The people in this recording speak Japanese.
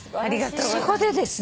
そこでですね